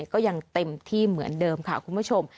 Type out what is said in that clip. ก็ยังเต็มที่เหมือนเดิมค่ะคุณผู้ชม